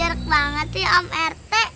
jerk banget sih om rete